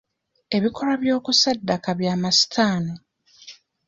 Ebikolwa by'okusadaaka bya masitaani.